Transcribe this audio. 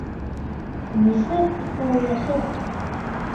Нисек икәүләшеп?